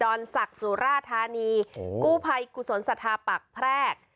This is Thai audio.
อนศักดิ์สุราธานีกู้ภัยกุศลสัทธาปากแพรก